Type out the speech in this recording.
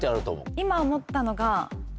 今思ったのが。